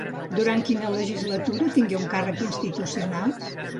Durant quina legislatura tingué un càrrec institucional?